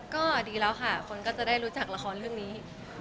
ก็ดีแล้วค่ะคนก็จะได้รู้จักละครเรื่องนี้